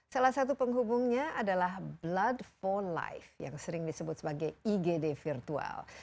salah satu penghubungnya adalah blood for life yang sering disebut sebagai igd virtual